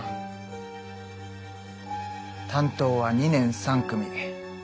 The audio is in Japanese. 担当は２年３組。